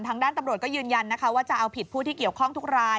ทางด้านตำรวจก็ยืนยันนะคะว่าจะเอาผิดผู้ที่เกี่ยวข้องทุกราย